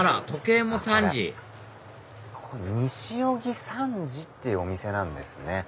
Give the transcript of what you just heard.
時計も３時西荻３時っていうお店なんですね。